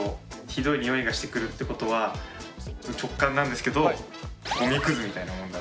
ひどい臭いがしてくるってことは直感なんですけどごみくず。